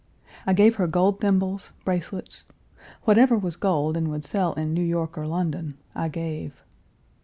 I gave her gold thimbles, bracelets; whatever was gold and would sell in New York or London, I gave.